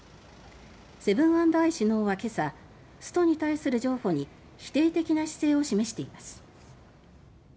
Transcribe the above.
セブン＆アイ首脳は今朝記者団に対しストライキに対する譲歩に否定的姿勢を示しています。